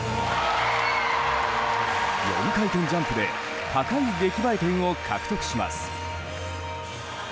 ４回転ジャンプで高い出来栄え点を獲得します。